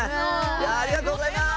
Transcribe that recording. ありがとうございます！